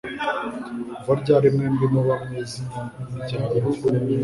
Kuva ryari mwembi muba mwizina ryambere?